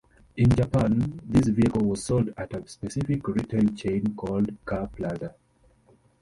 In Japan, this vehicle was sold at a specific retail chain called "Car Plaza".